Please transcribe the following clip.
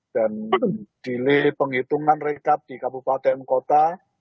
dan delay penghitungan rekap di kabupaten kota